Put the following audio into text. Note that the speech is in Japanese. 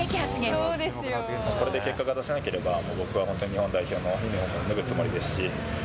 これで結果が出せなければ、僕は本当に、日本代表のユニホームを脱ぐつもりですし。